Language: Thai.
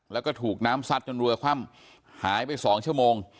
แล้วก็ถูกน้ำซัดจนเรือคว่ำหายไป๒ชั่วโมง